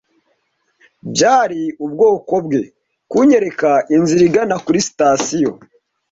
Byari ubwoko bwe kunyereka inzira igana kuri sitasiyo.